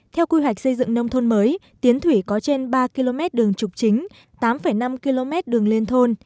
theo quy hoạch xây dựng nông thôn mới tiến thủy có trên ba km đường trục chính tám năm km đường liên thôn